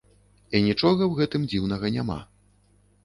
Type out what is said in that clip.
І нічога ў гэтым дзіўнага няма.